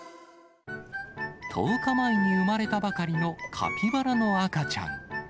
１０日前に産まれたばかりのカピバラの赤ちゃん。